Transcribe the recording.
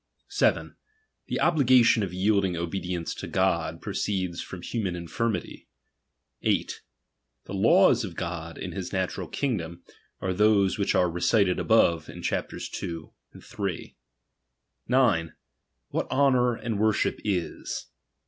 7. The obligation of yielding obedience to God, proceeds from human infirmity. 8. The laws of God in his Datural kingdom, arc those which are recited above in cliap ten II. III. 9. What honour and worship is.